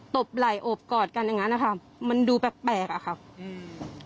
บไหล่อบกอดกันอย่างงั้นนะคะมันดูแปลกแปลกอ่ะครับอืม